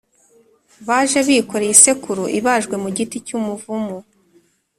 baje bikoreye isekuru ibajwe mu giti cy’umuvumu